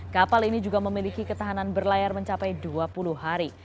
kapal ini juga memiliki ketahanan berlayar mencapai dua